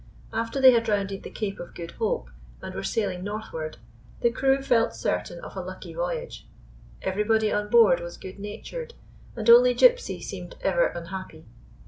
After they had rounded the Cape of Good Hope, and were sailing north ward, the crew felt certain of a lucky voyage. Everybody on board was good natured, and only Gypsy seemed ever unhappy.